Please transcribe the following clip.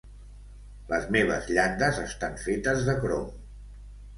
Les meves llandes estan fetes de crom.